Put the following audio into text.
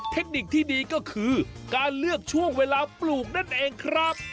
เทคนิคที่ดีก็คือการเลือกช่วงเวลาปลูกนั่นเองครับ